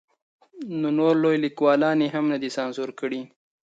نو نور لوی لیکوالان یې هم نه دي سانسور کړي.